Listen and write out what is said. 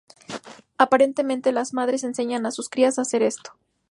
Aparentemente, las madres enseñan a sus crías a hacer esto.